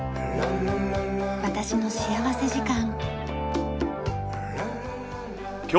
『私の幸福時間』。